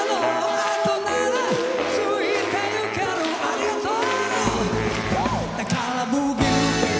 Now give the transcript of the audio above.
ありがとう！